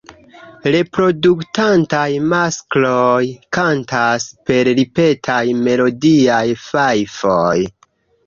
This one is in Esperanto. Reproduktantaj maskloj kantas per ripetaj melodiaj fajfoj.